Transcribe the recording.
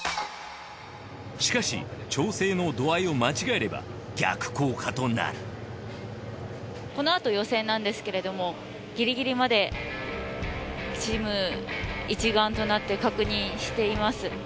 しかし調整の度合いを間違えれば逆効果となるこのあと予選なんですけれどもギリギリまでチーム一丸となって確認しています。